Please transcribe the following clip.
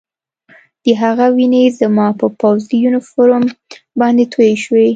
د هغه وینې زما په پوځي یونیفورم باندې تویې شوې